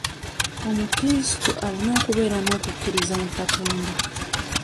Omukiristu alina okubeera n'okukkiriza mu Katonda.